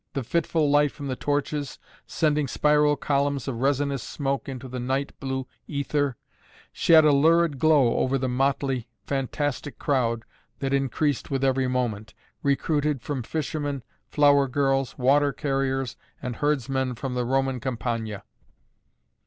The fitful light from the torches, sending spiral columns of resinous smoke into the night blue ether, shed a lurid glow over the motley, fantastic crowd that increased with every moment, recruited from fishermen, flower girls, water carriers and herdsmen from the Roman Campagna.